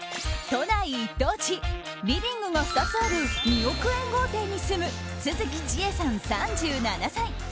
都内一等地リビングが２つある２億円豪邸に住む續智恵さん、３７歳。